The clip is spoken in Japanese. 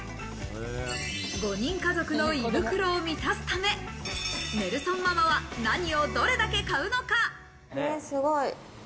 ５人家族の胃袋を満たすため、ネルソンママは何をどれだけ買うのか？